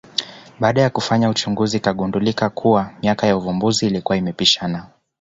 Baada ya kufanya uchunguzi ikagundulika kuwa miaka ya uvumbuzi ilikuwa imepishana